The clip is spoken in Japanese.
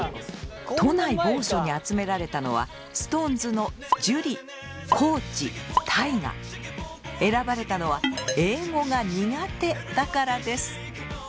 都内某所に集められたのはＳｉｘＴＯＮＥＳの選ばれたのは英語が苦手だからです。